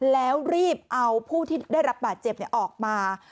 แล้วรีบเอาผู้ที่ได้รับบาดเจ็บออกมา